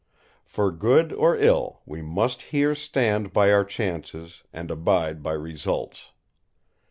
For good or ill we must here stand by our chances, and abide by results.